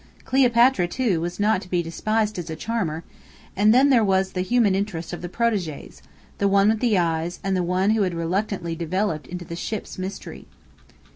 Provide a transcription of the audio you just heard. Cleopatra, too, was not to be despised as a charmer; and then there was the human interest of the protégées, the one with the eyes and the one who had reluctantly developed into the Ship's Mystery.